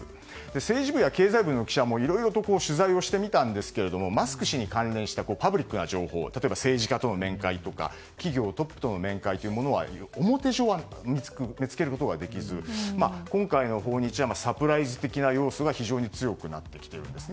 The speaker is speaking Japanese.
政治部や経済部の記者もいろいろと取材をしてみたんですがマスク氏に関連したパブリックな情報例えば政治家との面会とか企業トップとの面会は表上は見つけることはできず今回の訪日はサプライズ的な要素が非常に強くなってきているんです。